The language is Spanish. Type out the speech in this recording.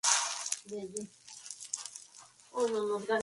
Se graduó de la Escuela de Arte Tisch de la Universidad de Nueva York.